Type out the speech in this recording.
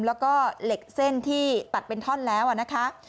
แล้วก็เหล็กเส้นที่ตัดเป็นท่อนแล้วนะคะ